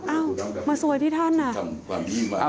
อ้าวมาสวยที่ท่าน